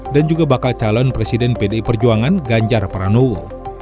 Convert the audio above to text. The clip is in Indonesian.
dan juga bakal calon presiden pdi perjuangan ganjar pranowo